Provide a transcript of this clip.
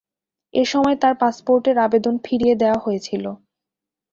এসময় তার পাসপোর্টের আবেদন ফিরিয়ে দেয়া হয়েছিলো।